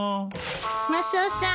マスオさん